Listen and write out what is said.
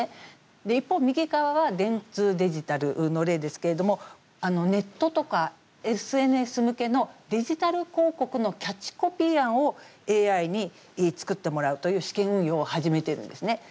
一方、右側は電通デジタルの例ですけれどもネットとか、ＳＮＳ向けのデジタル広告のキャッチコピー案をＡＩに作ってもらうという試験運用を始めているんですね。